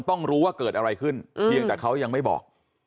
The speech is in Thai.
ต้องรู้ว่าเกิดอะไรขึ้นเพียงแต่เขายังไม่บอก